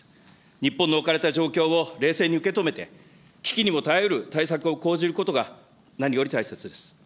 日本の置かれた状況を冷静に受け止めて、危機にも耐えうる対策を講じることが、何より大切です。